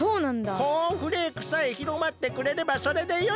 コーンフレークさえひろまってくれればそれでよい。